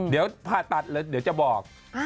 เดี๋ยวผ่าตัดเดี๋ยวจะบอก